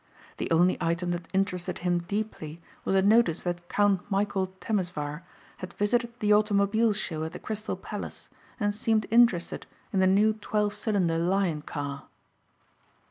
The only item that interested him deeply was a notice that Count Michæl Temesvar had visited the automobile show at the Crystal Palace and seemed interested in the new twelve cylinder Lion car.